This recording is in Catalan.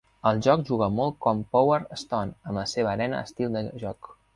El joc juga molt com "Power Stone" amb la seva Arena estil de joc.